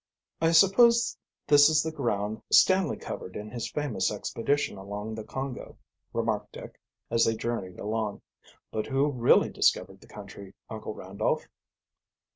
"I suppose this is the ground Stanley covered in his famous expedition along the Congo," remarked Dick, as they journeyed along. "But who really discovered the country, Uncle Randolph?"